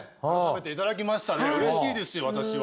うれしいですよ私は。